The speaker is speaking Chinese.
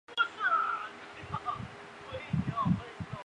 山区的印裔尼泊尔人传统上已经占据了绝大多数的公务员职位。